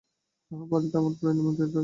তাঁহার বাড়িতে আমার প্রায়ই নিমন্ত্রণ থাকিত।